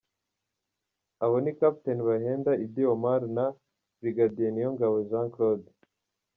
Abo ni Capt Bahenda Iddi Omar na Brigadier Niyongabo Jean Claude.